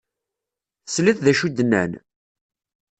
Tesliḍ d acu i d-nnan?